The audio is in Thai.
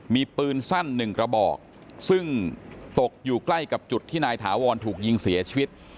มีปืนสั้นหนึ่งกระบอกซึ่งตกอยู่ใกล้กับจุดที่นายถาวรถูกยิงเสียชีวิต